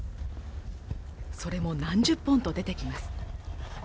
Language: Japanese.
それも、何十本と出てきます。